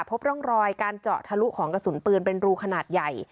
พบร่องรอยการเจาะทะลุของกระสุนปืนเป็นรูขนาดใหญ่